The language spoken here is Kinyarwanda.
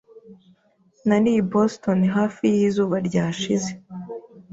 Nari i Boston hafi yizuba ryashize.